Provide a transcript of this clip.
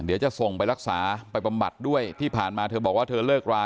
เดี๋ยวจะส่งไปรักษาไปบำบัดด้วยที่ผ่านมาเธอบอกว่าเธอเลิกรา